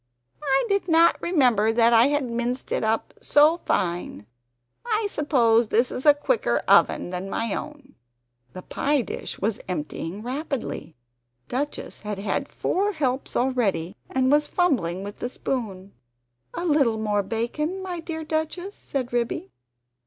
I did not remember that I had minced it up so fine; I suppose this is a quicker oven than my own." The pie dish was emptying rapidly! Duchess had had four helps already, and was fumbling with the spoon. "A little more bacon, my dear Duchess?" said Ribby.